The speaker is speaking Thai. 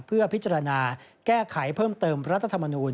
เพื่อพิจารณาแก้ไขเพิ่มเติมรัฐธรรมนูล